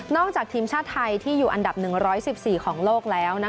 จากทีมชาติไทยที่อยู่อันดับ๑๑๔ของโลกแล้ว